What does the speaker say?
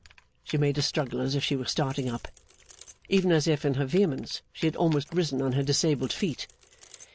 She made a struggle as if she were starting up; even as if, in her vehemence, she had almost risen on her disabled feet.